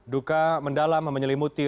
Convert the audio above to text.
duka mendalam menyelimuti